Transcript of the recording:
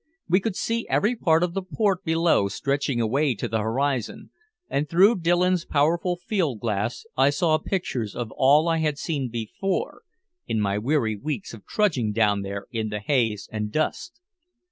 We could see every part of the port below stretching away to the horizon, and through Dillon's powerful field glass I saw pictures of all I had seen before in my weary weeks of trudging down there in the haze and dust.